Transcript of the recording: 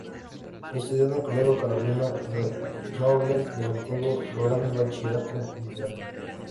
Estudió en el Colegio Carolino de Nobles de Santiago, logrando el bachillerato en Literatura.